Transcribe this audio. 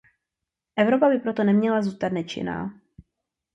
Evropa by proto neměla zůstat nečinná.